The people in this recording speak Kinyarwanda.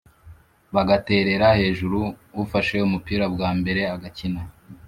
bagaterera hejuru ufashe umupira bwa mbere agakina